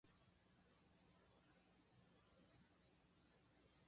ランゲルハンス島に上陸する